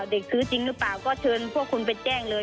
เด็กซื้อจริงหรือเปล่าก็เชิญพวกคุณไปแจ้งเลย